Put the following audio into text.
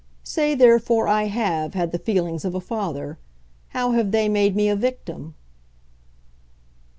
"Say therefore I HAVE had the feelings of a father. How have they made me a victim?"